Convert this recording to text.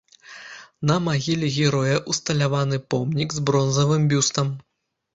На магіле героя усталяваны помнік з бронзавым бюстам.